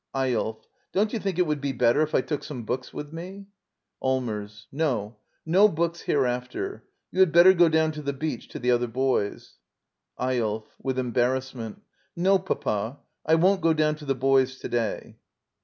Eyolf. Don't you think it would be better if I took some books with me? Allmers. No; no books hereafter. You had better go down to the beach to the other bcqrs. Eyolf. [With embarrassment.] No, Papa; I won't gQ down to the boys to day.